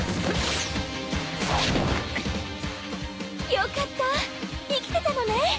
よかった生きてたのね。